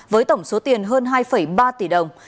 với tổng số tiền hơn hai ba tỷ đồng